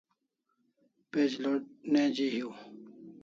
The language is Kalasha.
Page load neji hiu